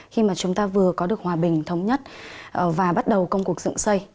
khi mà chúng ta vừa có được hòa bình thống nhất và bắt đầu công cuộc dựng xây